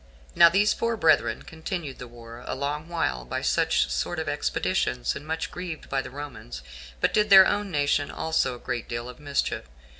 Now these four brethren continued the war a long while by such sort of expeditions, and much grieved the Romans; but did their own nation also a great deal of mischief.